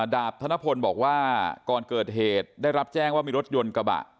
ดาบธนพลบอกว่าก่อนเกิดเหตุได้รับแจ้งว่ามีรถยนต์กระบะ